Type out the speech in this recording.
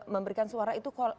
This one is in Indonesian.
memberikan suara itu